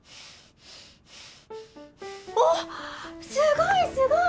おっすごいすごい！